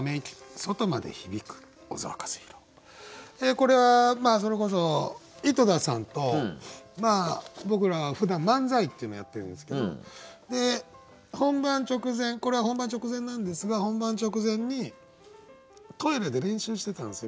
これはそれこそ井戸田さんと僕らふだん漫才っていうのをやってるんですけど本番直前これは本番直前なんですが本番直前にトイレで練習してたんですよ。